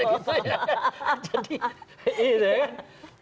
jadi gitu ya kan